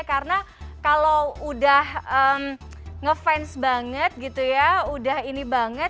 karena kalau udah ngefans banget gitu ya udah ini banget